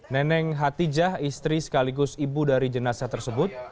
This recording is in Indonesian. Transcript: neneng hatijah istri sekaligus ibu dari jenazah tersebut